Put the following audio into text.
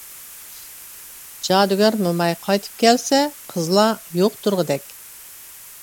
جادۇگەر موماي قايتىپ كەلسە، قىزلار يوق تۇرغۇدەك.